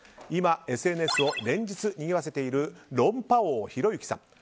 今、ＳＮＳを連日にぎわせている論破王、ひろゆきさん。